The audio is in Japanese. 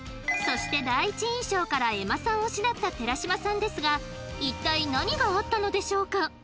そして第一印象から瑛茉さん推しだった寺島さんですが一体何があったのでしょうか？